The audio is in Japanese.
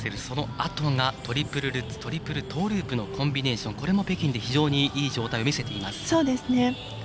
そのあとがトリプルルッツトリプルトーループのコンビネーションも北京で非常にいい状態を見せています。